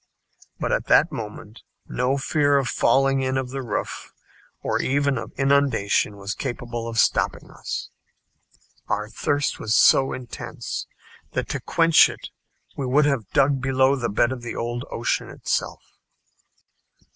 But at that moment no fear of falling in of the roof, or even of inundation was capable of stopping us. Our thirst was so intense that to quench it we would have dug below the bed of old Ocean itself.